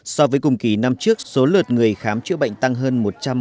so với cùng kỳ năm trước số lượt người khám chữa bệnh tăng hơn một trăm một mươi